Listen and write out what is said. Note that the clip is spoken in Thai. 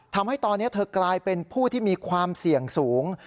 ทำให้ตอนนี้เธอกลายเป็นผู้ที่มีความเสี่ยงสูง